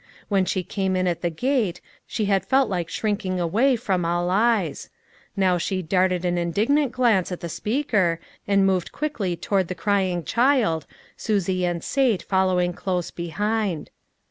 When she came in at the gate, she had felt like shrinking away from all eyes; now she darted an indignant glance at the speaker, and moved quickly toward the crying child, Susie and Sate following close behind.